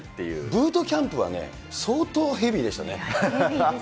ブートキャンプはね、相当ヘビーでしたね。